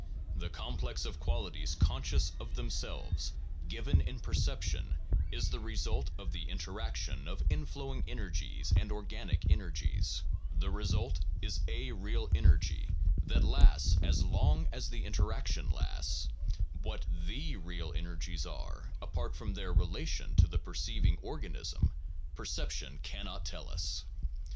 The complex of qualities, conscious of themselves, given in perception, is the result of the interaction of inflowing energies and organic energies; the result is c real energy that lasts as long as the interaction lasts; what the real energies are, apart from their relation to the perceiving organism, perception cannot tell us.